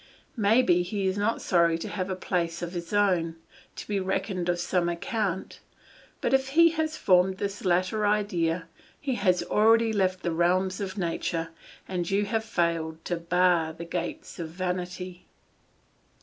Maybe he is not sorry to have a place of his own, to be reckoned of some account; but if he has formed this latter idea, he has already left the realms of nature, and you have failed to bar the gates of vanity.